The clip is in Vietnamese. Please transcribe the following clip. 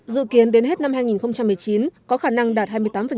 dự kiến đến hết năm hai nghìn một mươi chín có khả năng đạt hai mươi tám